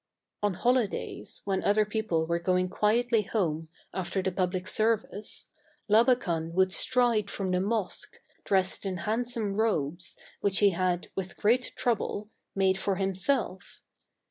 On holidays when other people were going quietly home after the public service, Labakan would stride from the mosque dressed in hand some robes, which he had, with great trouble, made for himself.